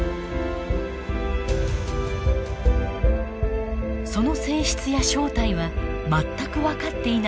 その性質や正体は全く分かっていない不思議なもの。